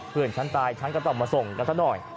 เพื่อนฉันตายฉันก็ต้องมาส่งกันซะหน่อย